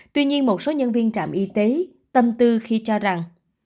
tuy nhiên một số nhân viên trạm y tế tâm tư khi cho rằng